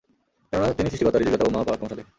কেননা তিনিই সৃষ্টিকর্তা, রিযিকদাতা ও মহাপরাক্রমশালী।